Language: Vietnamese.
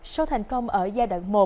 sau thành công ở giai đoạn một